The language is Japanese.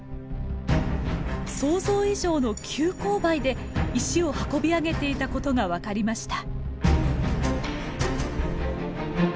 想像以上の急勾配で石を運び上げていたことが分かりました。